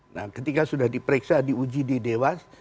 nah ketika sudah diperiksa diuji di dewas